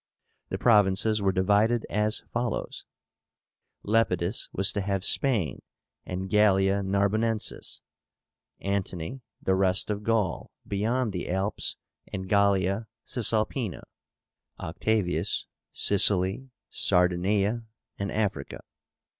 The provinces were divided as follows: Lepidus was to have Spain and Gallia Narbonensis; Antony, the rest of Gaul beyond the Alps and Gallia Cisalpína; Octavius, Sicily, Sardinia, and Africa.